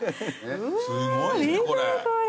すごいぞこれ。